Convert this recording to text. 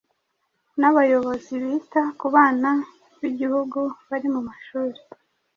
nabayobozi bita ku bana b’igihugu bari mu mashuri.